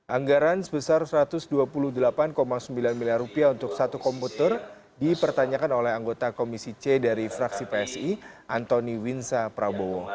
anggaran sebesar rp satu ratus dua puluh delapan sembilan miliar untuk satu komputer dipertanyakan oleh anggota komisi c dari fraksi psi antoni winsa prabowo